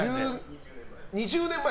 ２０年前。